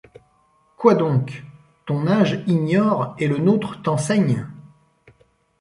Quoi donc ! ton âge ignore et le nôtre t'enseigne !